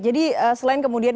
jadi selain kemudian